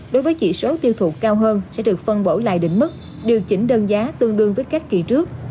đối với chỉ số tiêu thụ cao hơn sẽ được phân bổ lại đỉnh mức điều chỉnh đơn giá tương đương với các kỳ trước